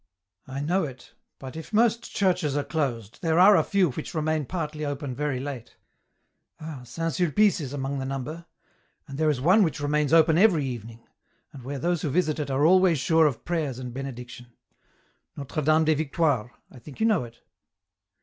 " I know it, but if most churches are closed, there are a few which remain partly open very late. Ah, St. Sulpice is among the number, and there is one which remains open every evening, and where those who visit it are always sure of prayers and Benediction : Notre Dame des Victoires, I think you know it."